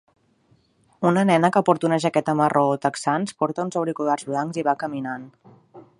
Una nena que porta una jaqueta marró o texans porta uns auriculats blancs i va caminant